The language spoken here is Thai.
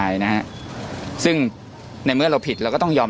สวัสดีครับคุณผู้ชม